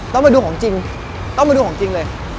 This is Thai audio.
ต้องมาดูของจริงต้องมาดูของจริงเลย